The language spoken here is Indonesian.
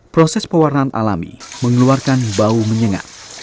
proses pewarnaan alami mengeluarkan bau menyengat